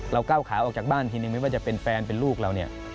ก้าวขาออกจากบ้านทีนึงไม่ว่าจะเป็นแฟนเป็นลูกเราเนี่ย